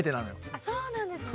あっそうなんですね。